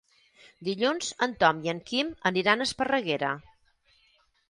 Dilluns en Tom i en Quim aniran a Esparreguera.